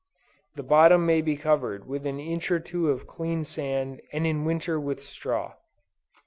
The bottom may be covered with an inch or two of clean sand and in winter with straw.